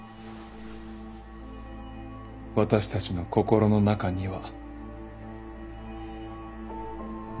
私たちの心の中には。